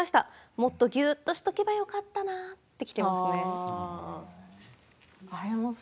もっとぎゅっとしておけばよかったなということです。